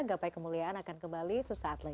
gapai kemuliaan akan kembali sesaat lagi